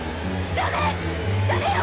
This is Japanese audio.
ダメよッ！！